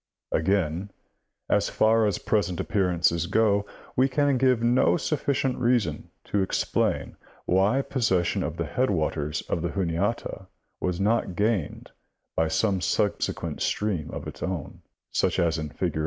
Again, as far as present appear ances go, we can give no sufficient reason to explain why posses sion of the headwaters of the Juniata was not gained by some subsequent stream of its own, such as G, fig.